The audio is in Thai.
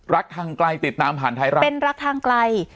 ทางไกลติดตามผ่านไทยรัฐเป็นรักทางไกล